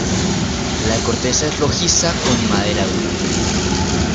La corteza es rojiza con la madera dura.